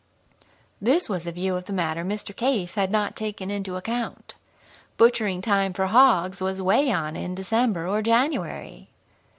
"This was a view of the matter Mr. Case had not taken into account. Butchering time for hogs was 'way on in December or January!